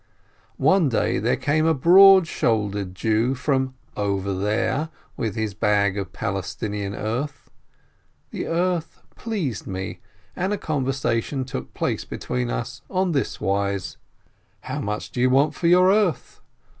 One day there came a broad shouldered Jew from "over there," with his bag of Palestinian earth. The earth pleased me, and a conversation took place between us on this wise: "How much do you want for your earth?"